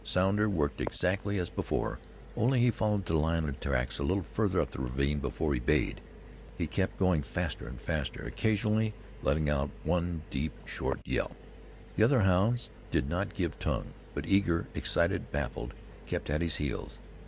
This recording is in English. Sounder worked exactly as before, only he followed the lion tracks a little farther up the ravine before he bayed. He kept going faster and faster, occasionally letting out one deep, short yelp. The other hounds did not give tongue, but eager, excited, baffled, kept at his heels.